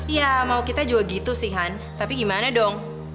iya mau kita juga gitu sih han tapi gimana dong